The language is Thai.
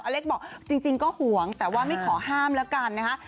เล็กบอกจริงก็ห่วงแต่ว่าไม่ขอห้ามแล้วกันนะคะ